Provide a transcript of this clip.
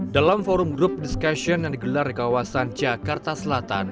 dalam forum group discussion yang digelar di kawasan jakarta selatan